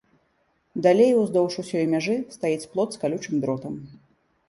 Далей уздоўж усёй мяжы стаіць плот з калючым дротам.